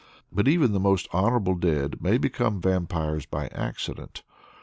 But even the most honorable dead may become vampires by accident.